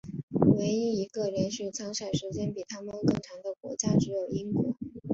唯一一个连续参赛时间比他们更长的国家只有英国。